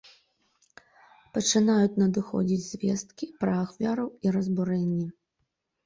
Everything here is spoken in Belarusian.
Пачынаюць надыходзіць звесткі пра ахвяраў і разбурэнні.